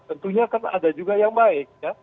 tentunya kan ada juga yang baik ya